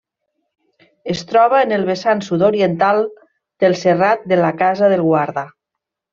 Es troba en el vessant sud-oriental del Serrat de la Casa del Guarda.